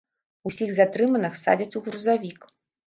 Усіх затрыманых садзяць у грузавік.